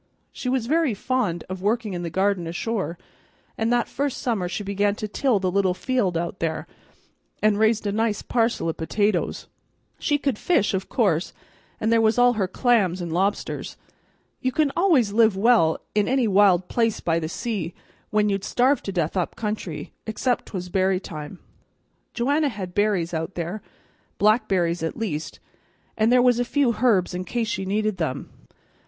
She was very fond of workin' in the garden ashore, and that first summer she began to till the little field out there, and raised a nice parcel o' potatoes. She could fish, o' course, and there was all her clams an' lobsters. You can always live well in any wild place by the sea when you'd starve to death up country, except 'twas berry time. Joanna had berries out there, blackberries at least, and there was a few herbs in case she needed them.